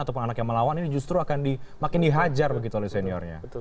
ataupun anak yang melawan ini justru akan makin dihajar begitu oleh seniornya